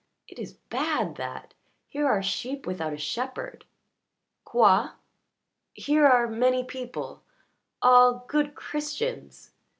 It is bad, that. Here are sheep without a shepherd." "Quoi?" "Here are many people all good Christians."